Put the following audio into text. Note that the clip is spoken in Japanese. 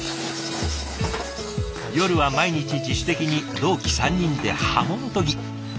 夜は毎日自主的に同期３人で刃物研ぎ。